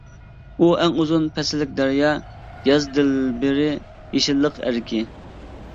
ئۇ ئەڭ ئۇزۇن پەسىللىك دەريا، ياز دىلبىرى يېشىللىق ئەركى.